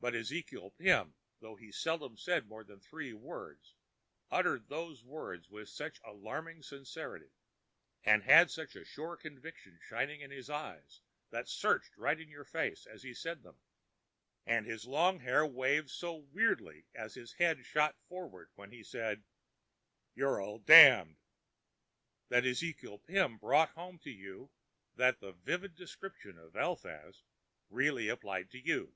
But Ezekiel Pim, though he seldom said more than three words, uttered those words with such alarming sincerity and had such a sure conviction shining in his eyes that searched right in your face as he said them, and his long hair waved so weirdly as his head shot forward when he said "You're all damned," that Ezekiel Pim brought home to you that the vivid descriptions of Eliphaz really applied to you.